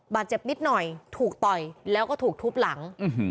บาดเจ็บนิดหน่อยถูกต่อยแล้วก็ถูกทุบหลัง